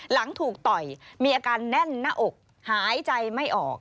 หลังถูกต่อยมีอาการแน่นหน้าอกหายใจไม่ออก